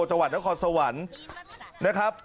จังหวัดนครสวรรค์นะครับ